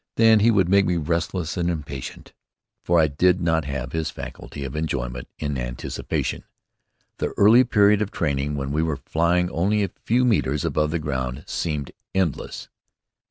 Then he would make me restless and impatient, for I did not have his faculty of enjoyment in anticipation. The early period of training, when we were flying only a few metres above the ground, seemed endless.